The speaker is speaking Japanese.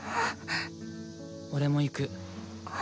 俺も行く。